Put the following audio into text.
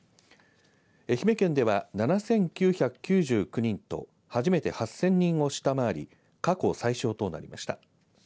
愛媛県では７９９９人と初めて８０００人を下回り過去最少となりました。